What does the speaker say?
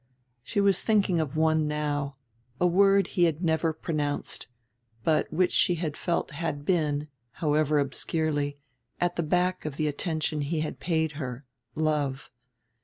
She was thinking of one now a word he had never pronounced, but which she felt had been, however obscurely, at the back of the attention he had paid her: love.